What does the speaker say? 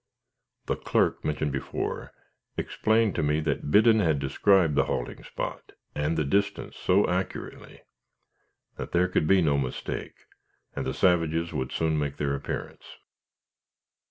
The clerk mentioned before, explained to me that Biddon had described the halting spot, and the distance so accurately, that there could be no mistake, and the savages would soon make their appearance.